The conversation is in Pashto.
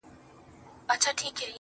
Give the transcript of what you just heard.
ستا د خــولې خـبري يــې زده كړيدي.